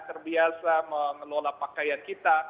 terbiasa mengelola pakaian kita